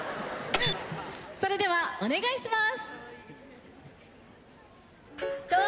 それではお願いします。